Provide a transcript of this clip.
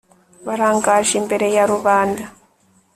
barangaje imbere ya rubanda